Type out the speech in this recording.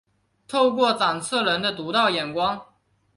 透过策展人的独到眼光